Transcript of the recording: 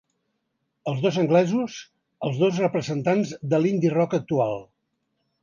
Els dos anglesos, els dos representants de l’indie rock actual.